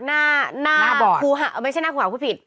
หน้าคูหาไม่ใช่หน้าคูหาผู้ผิด